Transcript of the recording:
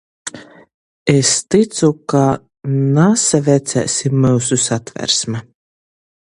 Es tycu, ka nasavecēs i myusu Satversme.